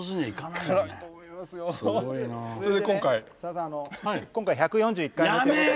あの今回１４１回目ということで。